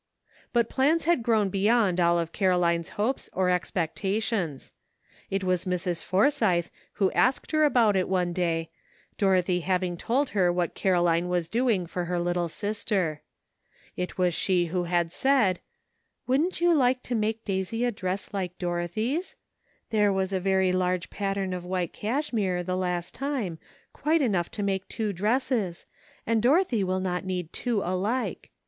But plans had grown beyond all of Caroline's hopes or expectations. It was Mrs. Forsythe who asked her about it one day, Dorothy having told her what Caroline was doing for her little sister. It was she who had said. GREAT QUESTIONS SETTLED. 301 *' Wouldn't you like to make Daisy a dress like Dorothy's? There was a very large pattern of white cashmere the last time, quite enough to make two dresses, and Dorothy will not need two alike.